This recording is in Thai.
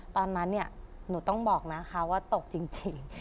ตอนนั้นเนี่ยหนูต้องบอกนะคะว่าตกจริง